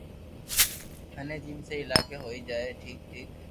ٿني جيم سھي لاگي ھوئي جائي ٺيڪ ٺيڪ